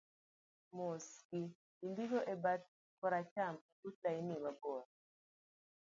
mosgi indiko e bat koracham ebut lain mabor